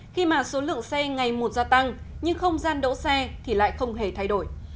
khi mà số lượng xe ngày một gia tăng nhưng không gian đỗ xe thì lại không hề thay đổi